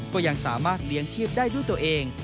ก็ยังสามารถเลี้ยงชีพได้ด้วยตัวเอง